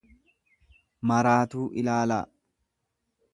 maraatuu ilaalaa.